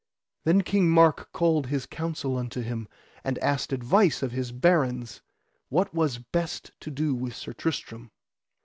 Then King Mark called his council unto him, and asked advice of his barons what was best to do with Sir Tristram.